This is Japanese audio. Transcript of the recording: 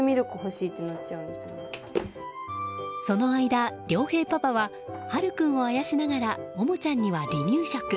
その間、涼平パパははる君をあやしながらももちゃんには離乳食。